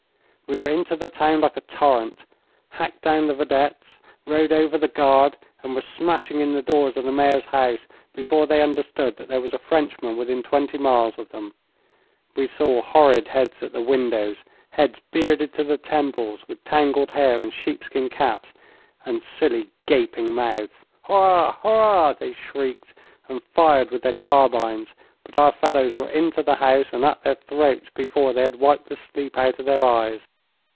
We were into the town like a torrent, hacked down the vedettes, rode over the guard, and were smashing in the doors of the Mayor's house before they understood that there was a Frenchman within twenty miles of them. We saw horrid heads at the windows heads bearded to the temples, with tangled hair and sheepskin caps, and silly, gaping mouths. 'Hourra! Hourra!' they shrieked, and fired with their carbines, but our fellows were into the house and at their throats before they had wiped the sleep out of their eyes.